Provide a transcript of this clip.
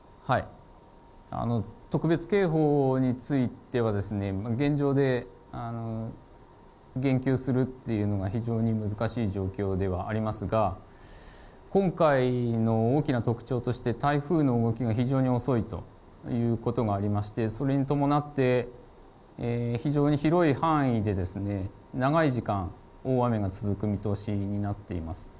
特別警報については、現状で言及するっていうのが、非常に難しい状況ではありますが、今回の大きな特徴として、台風の動きが非常に遅いということがありまして、それに伴って、非常に広い範囲で長い時間、大雨が続く見通しになっています。